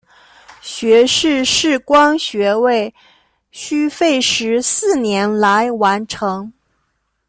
学士视光学位需费时四年来完成。